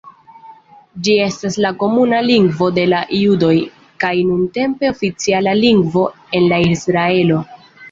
Ĝi estas la komuna lingvo de la judoj, kaj nuntempe oficiala lingvo en Israelo.